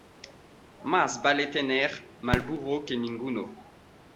Más vale tener mal burro que ninguno.